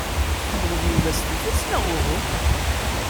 Tḥemmleḍ Yuba s tidet, neɣ uhu?